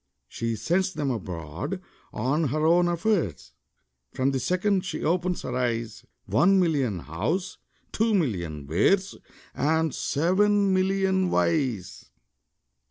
She sends 'em abroad on her own affairs, From the second she opens her eyes One million Hows, two million Wheres, And seven million Whys!